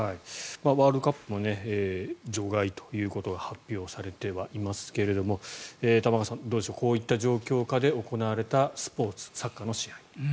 ワールドカップも除外ということが発表されてはいますが玉川さん、どうでしょうこういった状況下で行われたスポーツ、サッカーの試合。